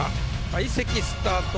相席スタート